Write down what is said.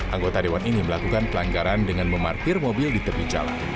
anggota dewan ini melakukan pelanggaran dengan memarkir mobil di tepi jalan